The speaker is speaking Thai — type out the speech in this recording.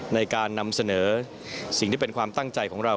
ในการนำเสนอสิ่งที่เป็นความตั้งใจของเรา